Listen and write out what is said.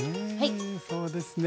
そうですね。